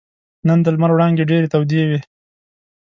نن د لمر وړانګې ډېرې تودې وې.